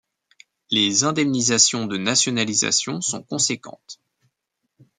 Les indemnisations de nationalisation sont conséquentes.